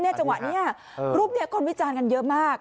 จังหวะนี้รูปนี้คนวิจารณ์กันเยอะมาก